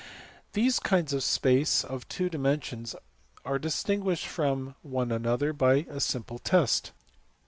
These kinds of space of two dimensions are distinguished one from the other by a simple test.